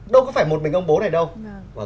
đâu có phải một mình ông bố này đâu